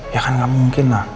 ya kan nggak mungkin lah